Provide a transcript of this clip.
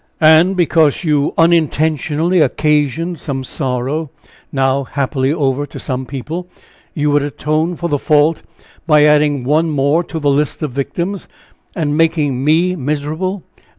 "And because you unintentionally occasioned some sorrow, now happily over, to some people, you would atone for the fault by adding one more to the list of victims, and making me miserable.